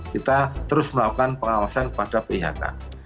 kita terus melakukan pengawasan pada pihaka